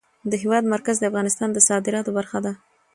د هېواد مرکز د افغانستان د صادراتو برخه ده.